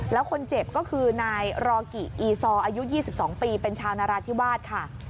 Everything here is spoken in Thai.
แล้วคนเจ็บก็คือนายรอกิอีซออายุ๒๒ปีเป็นชาวนราธิวาสค่ะ